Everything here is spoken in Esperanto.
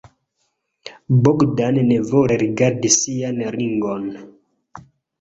Bogdan nevole rigardis sian ringon.